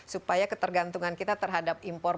supaya ketergantungan kita terhadap impor